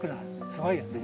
すごいよね？